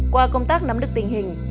qua công tác nắm đức tình hình